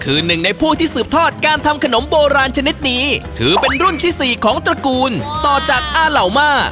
คือหนึ่งในผู้ที่สืบทอดการทำขนมโบราณชนิดนี้ถือเป็นรุ่นที่สี่ของตระกูลต่อจากอาเหล่ามา